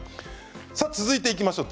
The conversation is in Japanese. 続いていきましょう。